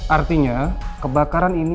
artinya kebakaran ini